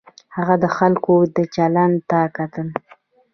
هغه د خلکو چلند ته کتل.